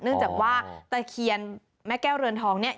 เนื่องจากว่าตะเคียนแม่แก้วเรือนทองเนี่ย